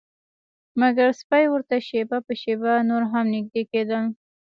مګر سپي ورته شیبه په شیبه نور هم نږدې کیدل